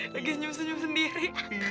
lagi senyum senyum sendiri